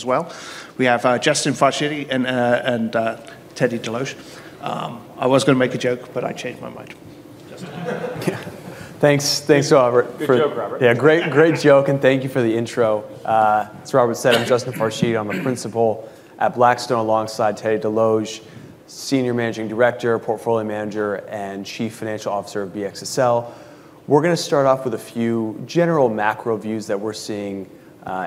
As well. We have Justin Farshidi and Teddy Desloge. I was going to make a joke, but I changed my mind. Justin. Yeah. Thanks, Robert. Good joke, Robert. Yeah, great joke, and thank you for the intro. As Robert said, I'm Justin Farshidi. I'm a Principal at Blackstone alongside Teddy Desloge, Senior Managing Director, Portfolio Manager, and Chief Financial Officer of BXSL. We're going to start off with a few general macro views that we're seeing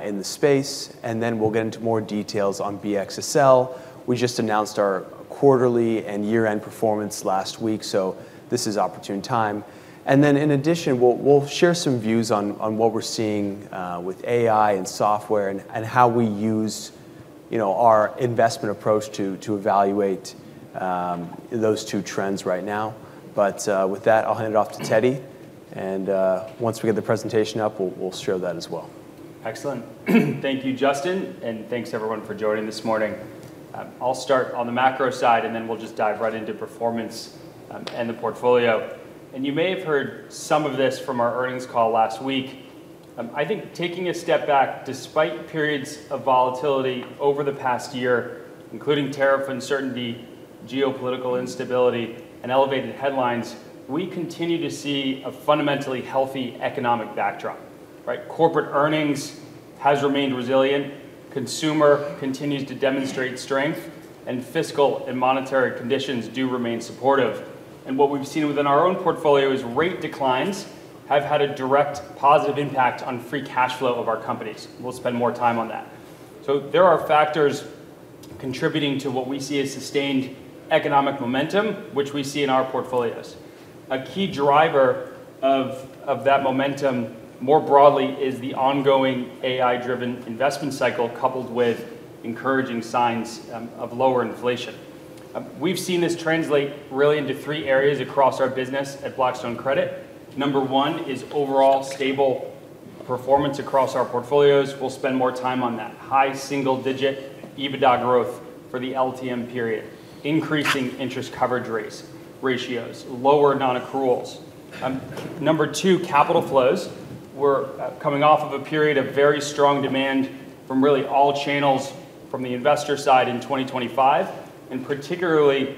in the space, and then we'll get into more details on BXSL. We just announced our quarterly and year-end performance last week, so this is an opportune time. In addition, we'll share some views on what we're seeing with AI and software and how we use our investment approach to evaluate those two trends right now. With that, I'll hand it off to Teddy, and once we get the presentation up, we'll share that as well. Excellent. Thank you, Justin Farshidi, and thanks everyone for joining this morning. I'll start on the macro side, then we'll just dive right into performance and the portfolio. You may have heard some of this from our earnings call last week. I think taking a step back, despite periods of volatility over the past year, including tariff uncertainty, geopolitical instability, and elevated headlines, we continue to see a fundamentally healthy economic backdrop. Corporate earnings has remained resilient, consumer continues to demonstrate strength, and fiscal and monetary conditions do remain supportive. What we've seen within our own portfolio is rate declines have had a direct positive impact on free cash flow of our companies. We'll spend more time on that. There are factors contributing to what we see as sustained economic momentum, which we see in our portfolios. A key driver of that momentum more broadly is the ongoing AI-driven investment cycle coupled with encouraging signs of lower inflation. We've seen this translate really into three areas across our business at Blackstone Credit. Number one is overall stable performance across our portfolios. We'll spend more time on that. High single-digit EBITDA growth for the LTM period. Increasing interest coverage ratios. Lower non-accruals. Number two, capital flows. We're coming off of a period of very strong demand from really all channels from the investor side in 2025, particularly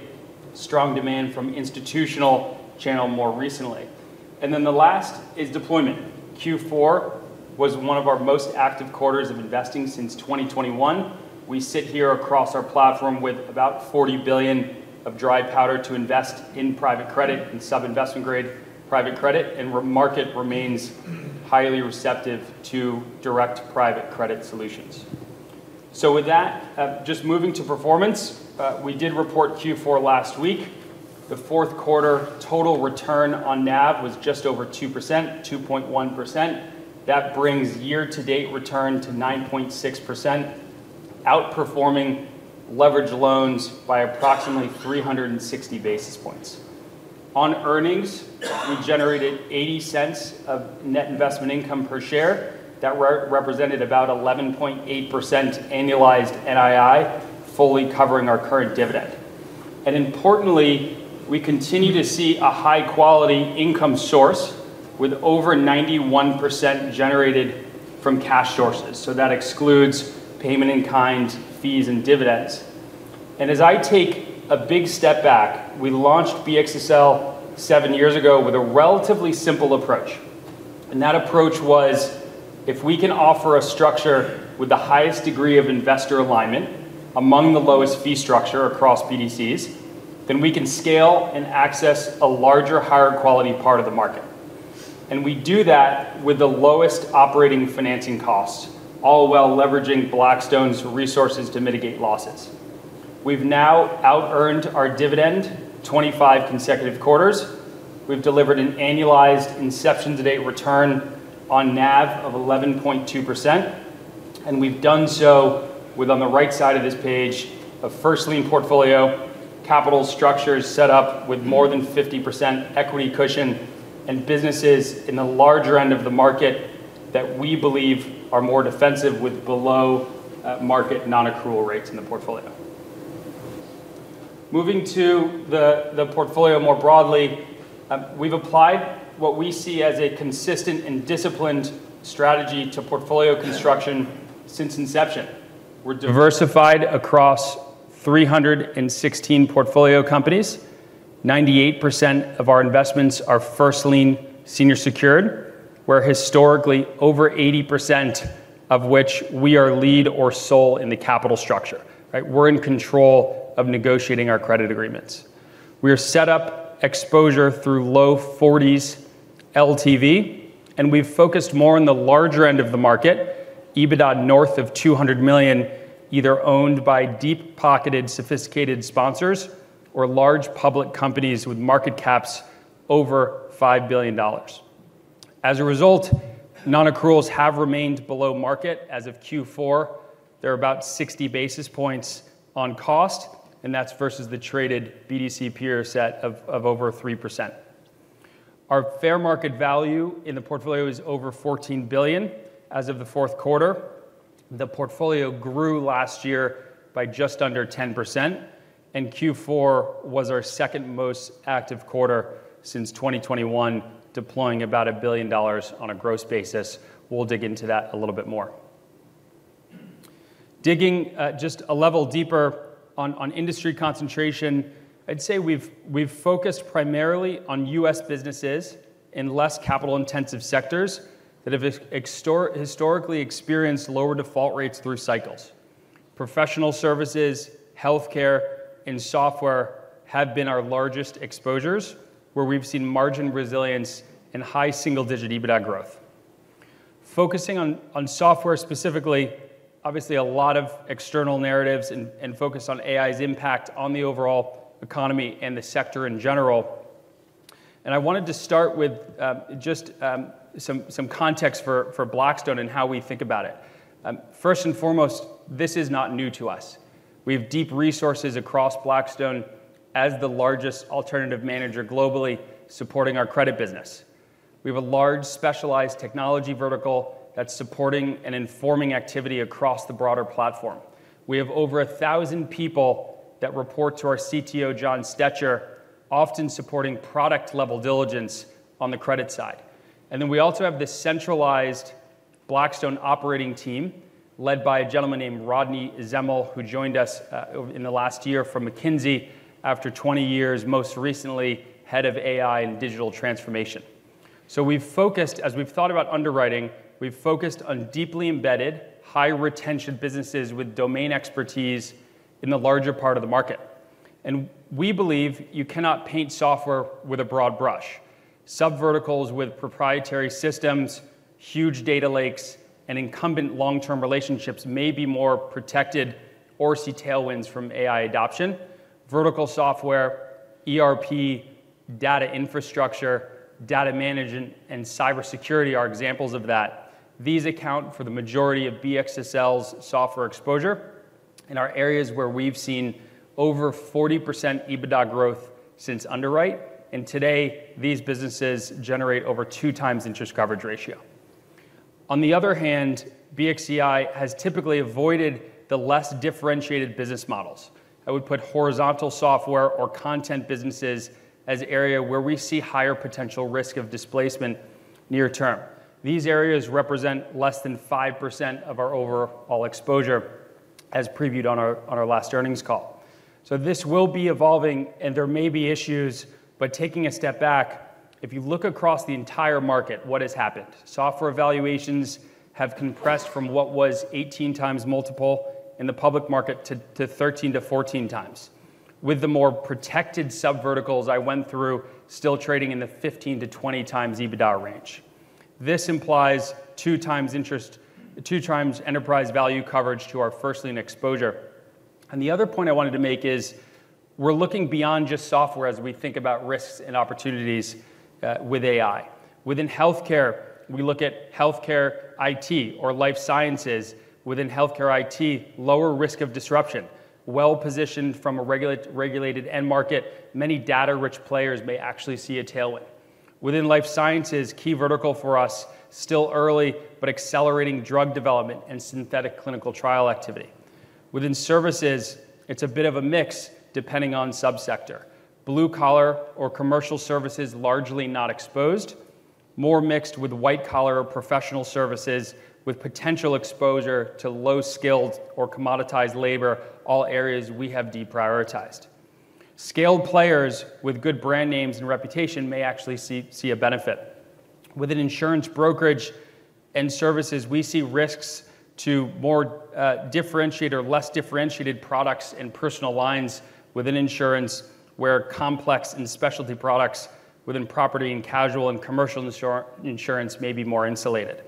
strong demand from institutional channel more recently. The last is deployment. Q4 was one of our most active quarters of investing since 2021. We sit here across our platform with about $40 billion of dry powder to invest in private credit and sub-investment grade private credit, market remains highly receptive to direct private credit solutions. With that, just moving to performance. We did report Q4 last week. The fourth quarter total return on NAV was just over 2%, 2.1%. That brings year-to-date return to 9.6%, outperforming leverage loans by approximately 360 basis points. On earnings, we generated $0.80 of net investment income per share. That represented about 11.8% annualized NII, fully covering our current dividend. Importantly, we continue to see a high-quality income source with over 91% generated from cash sources. That excludes payment in kind, fees, and dividends. As I take a big step back, we launched BXSL seven years ago with a relatively simple approach. That approach was if we can offer a structure with the highest degree of investor alignment among the lowest fee structure across BDCs, we can scale and access a larger, higher-quality part of the market. We do that with the lowest operating financing costs, all while leveraging Blackstone's resources to mitigate losses. We've now out-earned our dividend 25 consecutive quarters. We've delivered an annualized inception-to-date return on NAV of 11.2%, we've done so with, on the right side of this page, a first lien portfolio, capital structures set up with more than 50% equity cushion, and businesses in the larger end of the market that we believe are more defensive with below-market non-accrual rates in the portfolio. Moving to the portfolio more broadly, we've applied what we see as a consistent and disciplined strategy to portfolio construction since inception. We're diversified across 316 portfolio companies. 98% of our investments are first lien senior secured, where historically, over 80% of which we are lead or sole in the capital structure. We're in control of negotiating our credit agreements. We are set up exposure through low 40s LTV. We've focused more on the larger end of the market, EBITDA north of $200 million, either owned by deep-pocketed, sophisticated sponsors or large public companies with market caps over $5 billion. As a result, non-accruals have remained below market. As of Q4, they're about 60 basis points on cost, and that's versus the traded BDC peer set of over 3%. Our fair market value in the portfolio is over $14 billion as of the fourth quarter. The portfolio grew last year by just under 10%. Q4 was our second most active quarter since 2021, deploying about $1 billion on a gross basis. We'll dig into that a little bit more. Digging just a level deeper on industry concentration, I'd say we've focused primarily on U.S. businesses in less capital-intensive sectors that have historically experienced lower default rates through cycles. Professional services, healthcare, and software have been our largest exposures, where we've seen margin resilience and high single-digit EBITDA growth. Focusing on software specifically, obviously a lot of external narratives and focus on AI's impact on the overall economy and the sector in general. I wanted to start with just some context for Blackstone and how we think about it. First and foremost, this is not new to us. We have deep resources across Blackstone as the largest alternative manager globally supporting our credit business. We have a large specialized technology vertical that's supporting and informing activity across the broader platform. We have over 1,000 people that report to our CTO, Jon Stecher, often supporting product-level diligence on the credit side. We also have the centralized Blackstone operating team, led by a gentleman named Rodney Zemmel, who joined us in the last year from McKinsey after 20 years, most recently head of AI and digital transformation. We've focused, as we've thought about underwriting, we've focused on deeply embedded, high-retention businesses with domain expertise in the larger part of the market. We believe you cannot paint software with a broad brush. Subverticals with proprietary systems, huge data lakes, and incumbent long-term relationships may be more protected or see tailwinds from AI adoption. Vertical software, ERP, data infrastructure, data management, and cybersecurity are examples of that. These account for the majority of BXSL's software exposure and are areas where we've seen over 40% EBITDA growth since underwrite. Today, these businesses generate over two times interest coverage ratio. On the other hand, BXCI has typically avoided the less differentiated business models. I would put horizontal software or content businesses as an area where we see higher potential risk of displacement near term. These areas represent less than 5% of our overall exposure, as previewed on our last earnings call. This will be evolving, and there may be issues, but taking a step back, if you look across the entire market, what has happened? Software valuations have compressed from what was 18 times multiple in the public market to 13 to 14 times. With the more protected subverticals I went through, still trading in the 15 to 20 times EBITDA range. This implies two times enterprise value coverage to our first lien exposure. The other point I wanted to make is we're looking beyond just software as we think about risks and opportunities with AI. Within healthcare, we look at healthcare IT or life sciences within healthcare IT, lower risk of disruption, well-positioned from a regulated end market. Many data-rich players may actually see a tailwind. Within life sciences, key vertical for us, still early, but accelerating drug development and synthetic clinical trial activity. Within services, it's a bit of a mix depending on subsector. Blue-collar or commercial services, largely not exposed. More mixed with white-collar professional services with potential exposure to low-skilled or commoditized labor, all areas we have deprioritized. Scaled players with good brand names and reputation may actually see a benefit. Within insurance brokerage and services, we see risks to more differentiated or less differentiated products and personal lines within insurance, where complex and specialty products within property and casual and commercial insurance may be more insulated.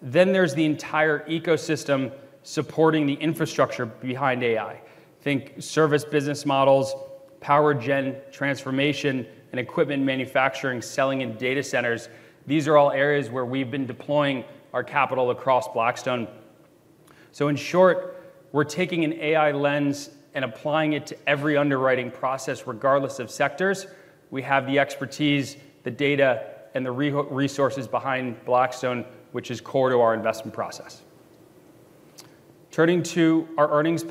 There's the entire ecosystem supporting the infrastructure behind AI. Think service business models, power gen transformation, and equipment manufacturing, selling, and data centers. These are all areas where we've been deploying our capital across Blackstone. In short, we're taking an AI lens and applying it to every underwriting process, regardless of sectors. We have the expertise, the data, and the resources behind Blackstone, which is core to our investment process. Turning to our earnings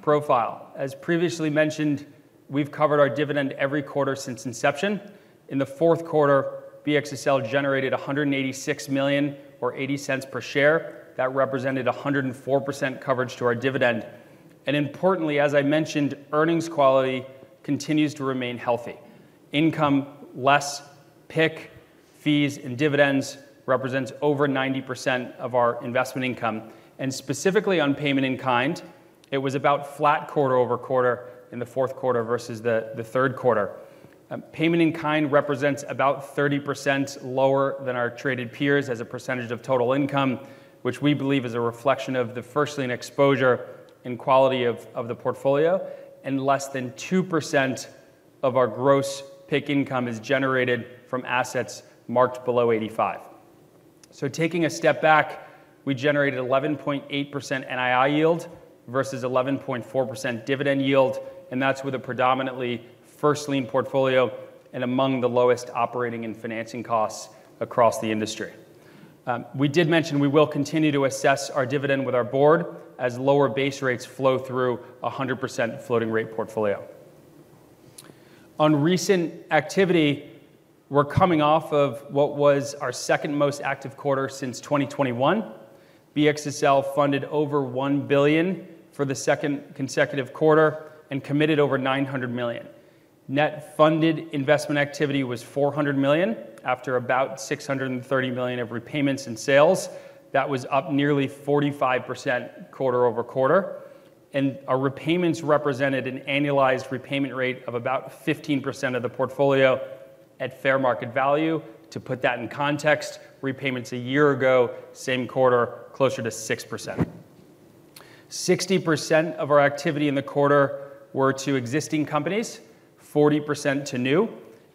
profile. As previously mentioned, we've covered our dividend every quarter since inception. In the fourth quarter, BXSL generated $186 million or $0.80 per share. That represented 104% coverage to our dividend. Importantly, as I mentioned, earnings quality continues to remain healthy. Income less PIK, fees, and dividends represents over 90% of our investment income. Specifically on payment in kind, it was about flat quarter-over-quarter in the fourth quarter versus the third quarter. Payment in kind represents about 30% lower than our traded peers as a percentage of total income, which we believe is a reflection of the first lien exposure and quality of the portfolio, and less than 2% of our gross PIK income is generated from assets marked below 85. Taking a step back, we generated 11.8% NII yield versus 11.4% dividend yield, and that's with a predominantly first lien portfolio and among the lowest operating and financing costs across the industry. We did mention we will continue to assess our dividend with our board as lower base rates flow through 100% floating rate portfolio. On recent activity, we're coming off of what was our second-most active quarter since 2021. BXSL funded over $1 billion for the second consecutive quarter and committed over $900 million. Net funded investment activity was $400 million after about $630 million of repayments and sales. That was up nearly 45% quarter-over-quarter. Our repayments represented an annualized repayment rate of about 15% of the portfolio at fair market value. To put that in context, repayments a year ago, same quarter, closer to 6%. 60% of our activity in the quarter were to existing companies, 40% to new.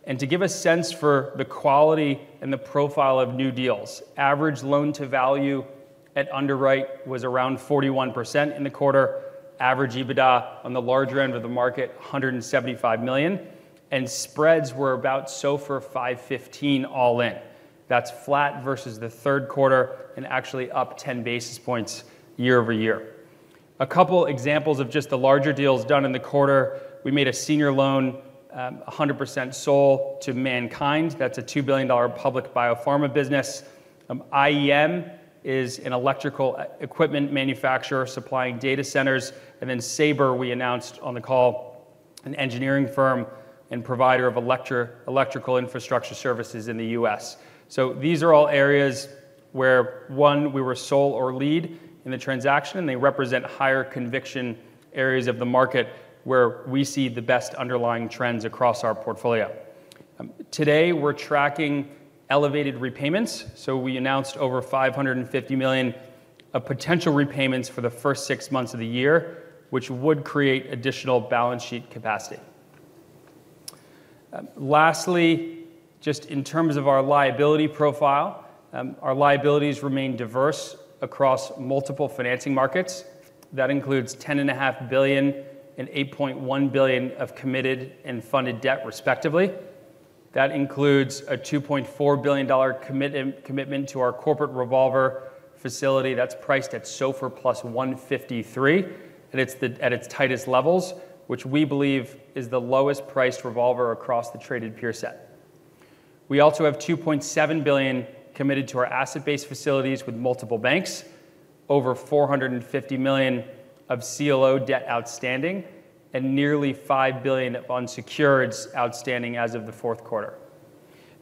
To give a sense for the quality and the profile of new deals, average loan-to-value at underwrite was around 41% in the quarter. Average EBITDA on the larger end of the market, $175 million. Spreads were about SOFR 515 all in. That's flat versus the third quarter and actually up 10 basis points year-over-year. A couple examples of just the larger deals done in the quarter. We made a senior loan, 100% sole to MannKind. That's a $2 billion public biopharma business. IEM is an electrical equipment manufacturer supplying data centers. Sabre, we announced on the call, an engineering firm and provider of electrical infrastructure services in the U.S. These are all areas where, one, we were sole or lead in the transaction, and they represent higher conviction areas of the market where we see the best underlying trends across our portfolio. Today, we're tracking elevated repayments, so we announced over $550 million of potential repayments for the first six months of the year, which would create additional balance sheet capacity. Lastly, just in terms of our liability profile, our liabilities remain diverse across multiple financing markets. That includes $10.5 billion and $8.1 billion of committed and funded debt respectively. That includes a $2.4 billion commitment to our corporate revolver facility that's priced at SOFR plus 153 at its tightest levels, which we believe is the lowest priced revolver across the traded peer set. We also have $2.7 billion committed to our asset-based facilities with multiple banks, over $450 million of CLO debt outstanding, and nearly $5 billion of unsecured outstanding as of the fourth quarter.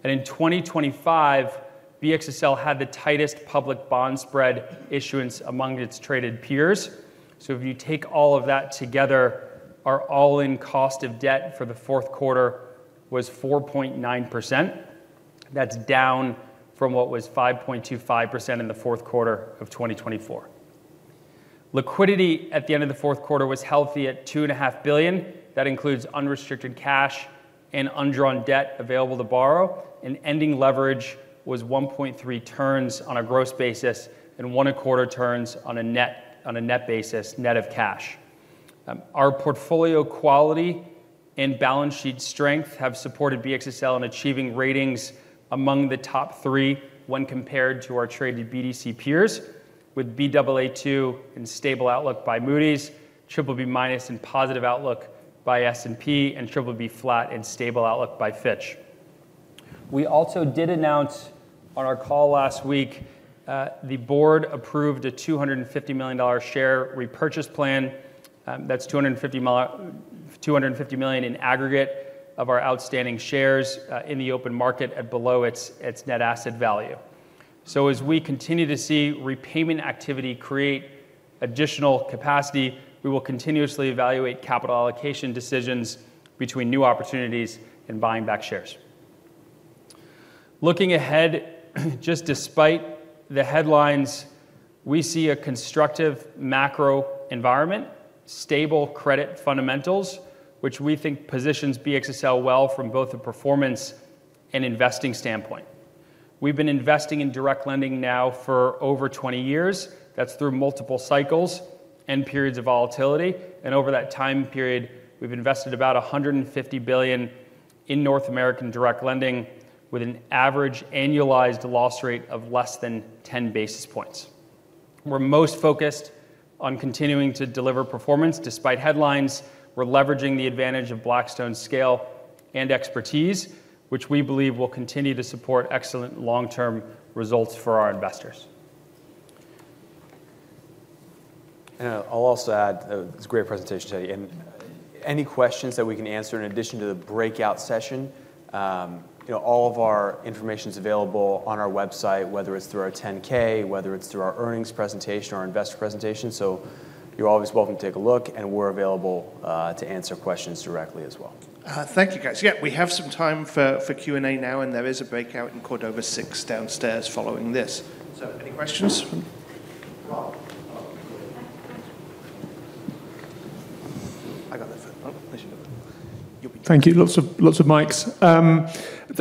In 2025, BXSL had the tightest public bond spread issuance among its traded peers. If you take all of that together, our all-in cost of debt for the fourth quarter was 4.9%. That's down from what was 5.25% in the fourth quarter of 2024. Liquidity at the end of the fourth quarter was healthy at $2.5 billion. That includes unrestricted cash and undrawn debt available to borrow, and ending leverage was 1.3 turns on a gross basis and 1.25 turns on a net basis, net of cash. Our portfolio quality and balance sheet strength have supported BXSL in achieving ratings among the top three when compared to our traded BDC peers with Baa2 and stable outlook by Moody's, BBB- and positive outlook by S&P, and BBB flat and stable outlook by Fitch. We also did announce on our call last week, the board approved a $250 million share repurchase plan. That's $250 million in aggregate of our outstanding shares, in the open market at below its net asset value. As we continue to see repayment activity create additional capacity, we will continuously evaluate capital allocation decisions between new opportunities and buying back shares. Looking ahead, just despite the headlines, we see a constructive macro environment, stable credit fundamentals, which we think positions BXSL well from both a performance and investing standpoint. We've been investing in direct lending now for over 20 years. That's through multiple cycles and periods of volatility. Over that time period, we've invested about $150 billion in North American direct lending with an average annualized loss rate of less than 10 basis points. We're most focused on continuing to deliver performance. Despite headlines, we're leveraging the advantage of Blackstone's scale and expertise, which we believe will continue to support excellent long-term results for our investors. I'll also add, it's a great presentation today, and any questions that we can answer in addition to the breakout session, all of our information's available on our website, whether it's through our 10-K, whether it's through our earnings presentation or investor presentation. You're always welcome to take a look, and we're available to answer questions directly as well. Thank you, guys. We have some time for Q&A now, and there is a breakout in Cordova 6 downstairs following this. Any questions? Rob. I got that. There she goes. Thank you. Lots of mics.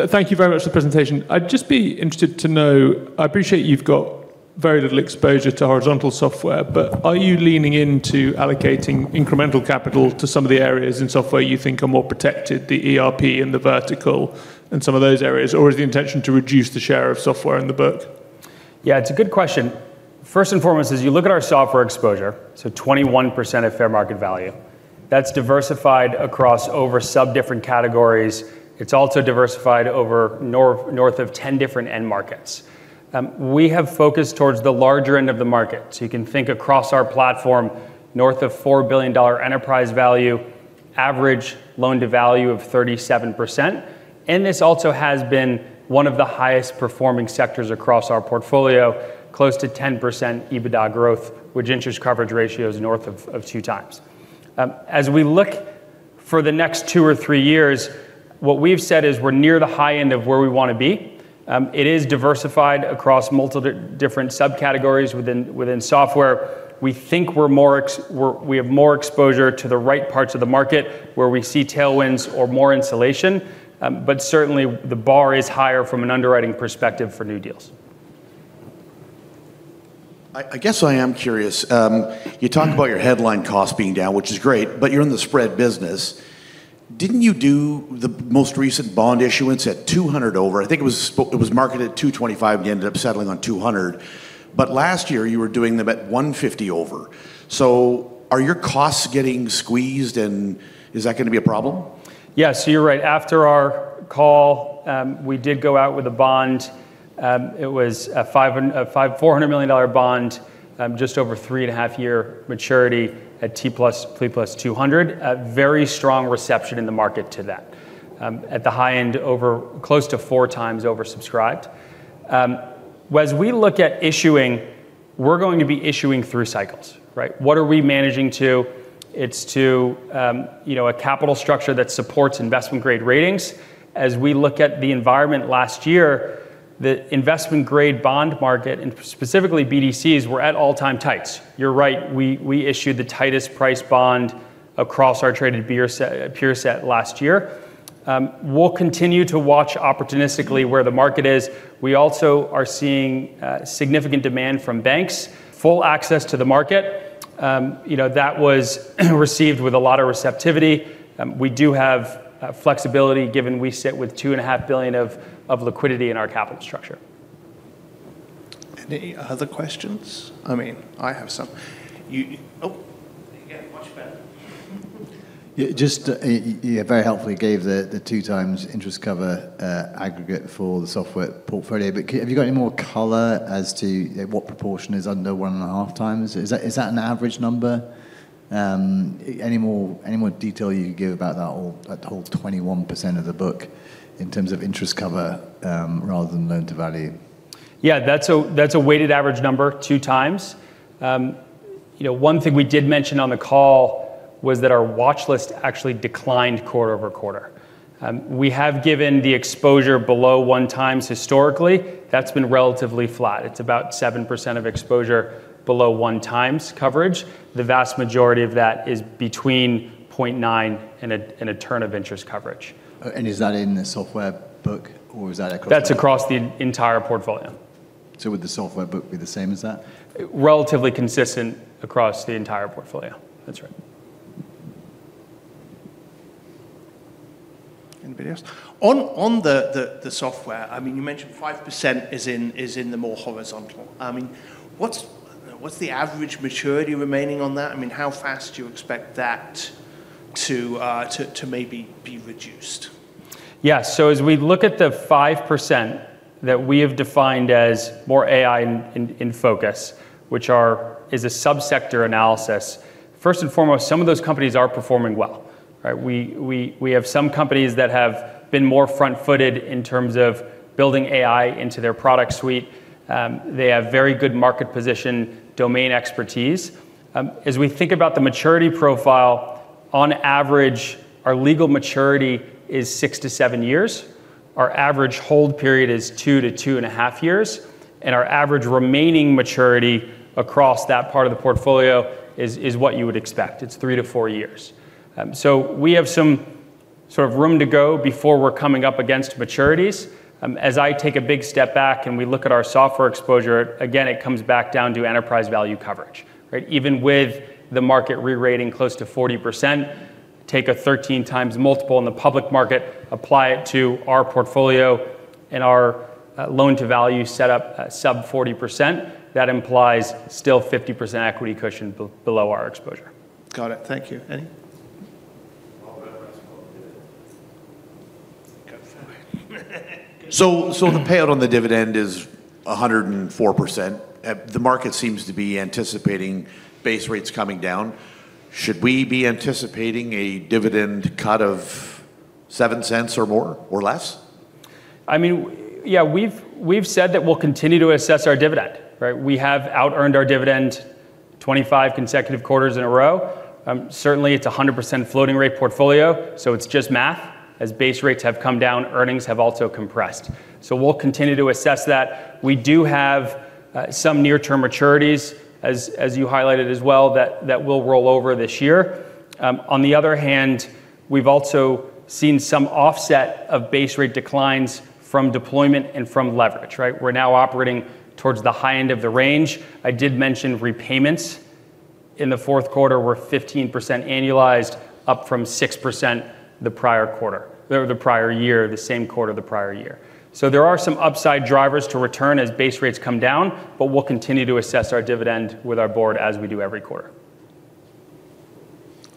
Thank you very much for the presentation. I'd just be interested to know, I appreciate you've got very little exposure to horizontal software, but are you leaning into allocating incremental capital to some of the areas in software you think are more protected, the ERP and the vertical and some of those areas? Is the intention to reduce the share of software in the book? Yeah, it's a good question. First and foremost is you look at our software exposure, 21% of fair market value. That's diversified across over sub-different categories. It's also diversified over north of 10 different end markets. We have focused towards the larger end of the market. You can think across our platform, north of $4 billion enterprise value, average loan-to-value of 37%, and this also has been one of the highest performing sectors across our portfolio, close to 10% EBITDA growth, with interest coverage ratios north of two times. As we look for the next two or three years, what we've said is we're near the high end of where we want to be. It is diversified across multiple different subcategories within software. We think we have more exposure to the right parts of the market where we see tailwinds or more insulation. Certainly, the bar is higher from an underwriting perspective for new deals. I guess I am curious. You talked about your headline cost being down, which is great, you're in the spread business. Didn't you do the most recent bond issuance at 200 over. I think it was marketed at 225, you ended up settling on 200. Last year, you were doing them at 150 over. Are your costs getting squeezed, and is that going to be a problem? Yeah, you're right. After our call, we did go out with a bond. It was a $400 million bond, just over three-and-a-half year maturity at T+200. A very strong reception in the market to that. At the high end, close to four times oversubscribed. As we look at issuing, we're going to be issuing through cycles, right? What are we managing to? It's to a capital structure that supports investment-grade ratings. As we look at the environment last year, the investment-grade bond market, and specifically BDCs, were at all-time tights. You're right, we issued the tightest price bond across our traded peer set last year. We'll continue to watch opportunistically where the market is. We also are seeing significant demand from banks, full access to the market. That was received with a lot of receptivity. We do have flexibility given we sit with $2.5 billion of liquidity in our capital structure. Any other questions? I have some. Oh. Getting much better. You very helpfully gave the two times interest cover aggregate for the software portfolio. Have you got any more color as to what proportion is under one and a half times? Is that an average number? Any more detail you could give about that whole 21% of the book in terms of interest cover rather than loan-to-value? Yeah, that's a weighted average number two times. One thing we did mention on the call was that our watchlist actually declined quarter-over-quarter. We have given the exposure below one times historically. That's been relatively flat. It's about 7% of exposure below one times coverage. The vast majority of that is between 0.9 and a turn of interest coverage. Is that in the software book, or is that across? That's across the entire portfolio. Would the software book be the same as that? Relatively consistent across the entire portfolio. That's right. Anybody else? On the software, you mentioned 5% is in the more horizontal. What's the average maturity remaining on that? How fast do you expect that to maybe be reduced? As we look at the 5% that we have defined as more AI in focus, which is a sub-sector analysis, first and foremost, some of those companies are performing well, right? We have some companies that have been more front-footed in terms of building AI into their product suite. They have very good market position domain expertise. As we think about the maturity profile, on average, our legal maturity is six to seven years. Our average hold period is 2-2.5 years. Our average remaining maturity across that part of the portfolio is what you would expect. It's three to four years. We have some sort of room to go before we're coming up against maturities. As I take a big step back and we look at our software exposure, again, it comes back down to enterprise value coverage, right? Even with the market re-rating close to 40%, take a 13x multiple in the public market, apply it to our portfolio. Our loan-to-value set up sub 40%, that implies still 50% equity cushion below our exposure. Got it. Thank you. The payout on the dividend is 104%. The market seems to be anticipating base rates coming down. Should we be anticipating a dividend cut of $0.07 or more, or less? We've said that we'll continue to assess our dividend, right? We have outearned our dividend 25 consecutive quarters in a row. Certainly, it's 100% floating rate portfolio, it's just math. As base rates have come down, earnings have also compressed. We'll continue to assess that. We do have some near-term maturities, as you highlighted as well, that will roll over this year. On the other hand, we've also seen some offset of base rate declines from deployment and from leverage, right? We're now operating towards the high end of the range. I did mention repayments in the fourth quarter were 15% annualized, up from 6% the prior quarter or the prior year, the same quarter the prior year. There are some upside drivers to return as base rates come down, but we'll continue to assess our dividend with our board as we do every quarter.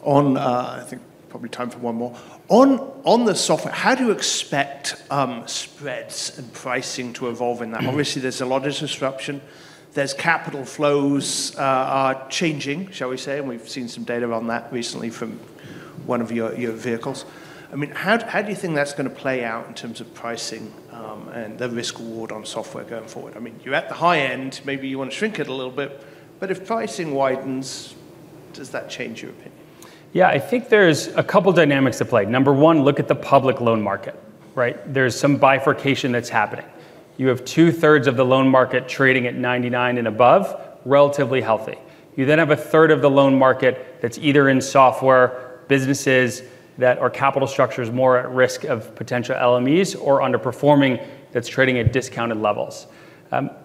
I think probably time for one more. On the software, how do you expect spreads and pricing to evolve in that? Obviously, there's a lot of disruption. Capital flows are changing, shall we say, and we've seen some data on that recently from one of your vehicles. How do you think that's going to play out in terms of pricing, and the risk reward on software going forward? You're at the high end, maybe you want to shrink it a little bit, if pricing widens, does that change your opinion? I think there's a couple dynamics at play. Number one, look at the public loan market, right? There's some bifurcation that's happening. You have 2/3 of the loan market trading at 99 and above, relatively healthy. You then have a third of the loan market that's either in software businesses that are capital structures more at risk of potential LMEs or underperforming, that's trading at discounted levels.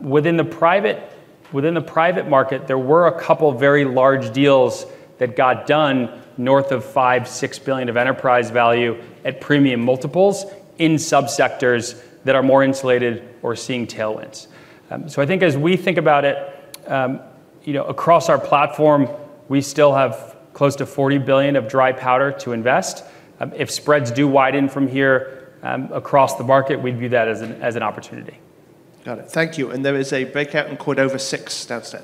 Within the private market, there were a couple very large deals that got done north of $5 billion-$6 billion of enterprise value at premium multiples in sub-sectors that are more insulated or seeing tailwinds. As we think about it, across our platform, we still have close to $40 billion of dry powder to invest. If spreads do widen from here, across the market, we'd view that as an opportunity. Got it. Thank you. There is a breakout in Cordova 6 downstairs